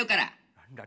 ・何だ？